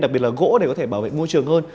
đặc biệt là gỗ để có thể bảo vệ môi trường hơn